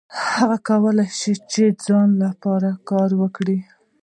هغوی کولای شول چې د ځان لپاره کار وکړي.